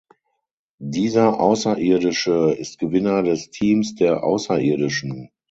Dieser Außerirdische ist Gewinner des Teams der Außerirdischen.